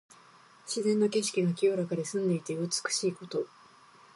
自然の景色が清らかで澄んでいて美しいこと。